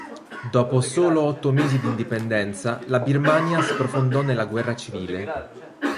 Dopo solo otto mesi di indipendenza, la Birmania sprofondò nella guerra civile.